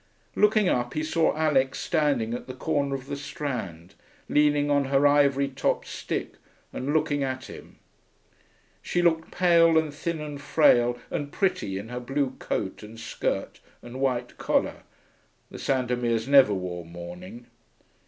Looking up, he saw Alix standing at the corner of the Strand, leaning on her ivory topped stick and looking at him. She looked pale and thin and frail and pretty in her blue coat and skirt and white collar. (The Sandomirs never wore mourning.)